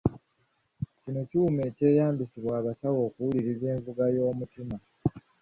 Kino kyuma ekyeyambisibwa abasawo okuwuliriza envuga y'omutima.